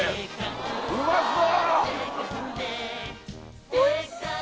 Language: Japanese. うまそう！